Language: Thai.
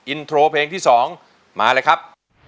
อินโทรเพลงที่๒มาเลยครับ